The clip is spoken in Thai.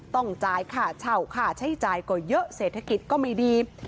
ต้องจ่ายค่าเช่าค่าใช้จ่ายก็เยอะเศรษฐกิจก็ไม่ดี